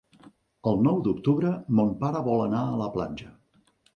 El nou d'octubre mon pare vol anar a la platja.